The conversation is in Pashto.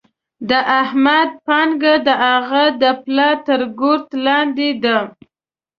د احمد پانګه د هغه د پلار تر ګورت لاندې ده.